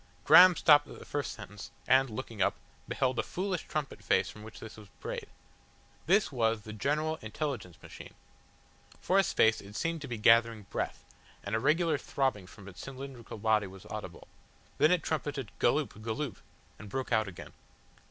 Graham stopped at the first sentence, and, looking up, beheld a foolish trumpet face from which this was brayed. This was the General Intelligence Machine. For a space it seemed to be gathering breath, and a regular throbbing from its cylindrical body was audible. Then it trumpeted "Galloop, Galloop," and broke out again.